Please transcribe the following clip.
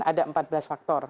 ada empat belas faktor